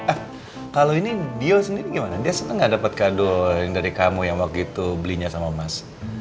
ah kalau ini bio sendiri gimana dia senang gak dapat kado dari kamu yang waktu itu belinya sama mas